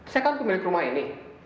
saya kan pemilik rumah ini